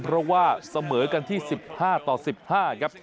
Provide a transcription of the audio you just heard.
เพราะว่าเสมอกันที่๑๕ต่อ๑๕ครับ